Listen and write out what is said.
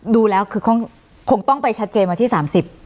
ดูแล้วคงต้องไปชัดเจนมาที่สามสิบ